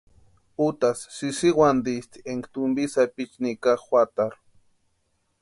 Utasï sïsïwantisti énka tumpi sapichu nika juatarhu.